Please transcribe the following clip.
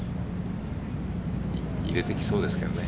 入れてきそうですけどね。